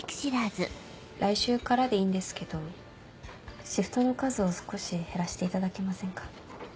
来週からでいいんですけどシフトの数を少し減らしていただけませんか。